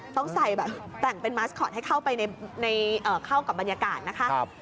ต้องใส่แบบแต่งเป็นมาสคอตให้เข้าไปเข้ากับบรรยากาศนะคะ